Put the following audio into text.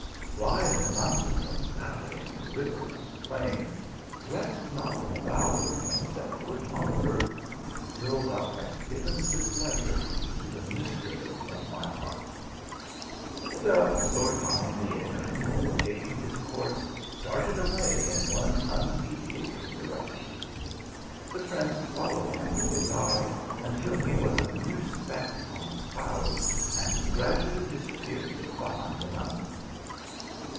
" Fly over mountain, and valley, and river, and plain ; rest not in bower nor set foot on earth, until thou hast given this letter to the mistress of my heart." The dove soared high in air, and luKing his coursa darted away in one undeviating direction. The prince followed him with his eye until he was a mere speck on a cloud, and gradually disappeared behind a mountain.